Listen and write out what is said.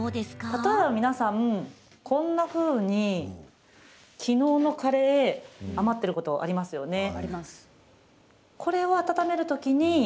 例えば皆さんこんなふうにきのうのカレー余ってることありますよね。